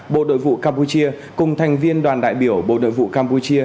bộ đội vụ campuchia cùng thành viên đoàn đại biểu bộ đội vụ campuchia